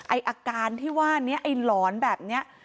ไอ้อาการที่ว่าไอ้หลอนแบบนี้